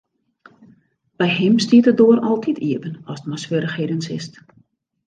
By him stiet de doar altyd iepen ast mei swierrichheden sitst.